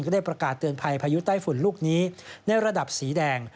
ได้ประกาศเตือนภัยพายุใต้ฝุ่นลูกนี้ในระดับสีแดง